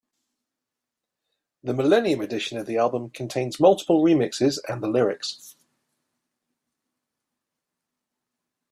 The millennium edition of the album contains multiple remixes and the lyrics.